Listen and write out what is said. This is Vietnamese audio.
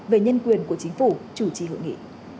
về nhân quyền của chính phủ chủ trì hội nghị